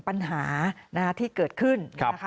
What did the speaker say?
ปัญหาที่เกิดขึ้น